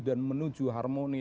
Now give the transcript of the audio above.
dan menuju harmoni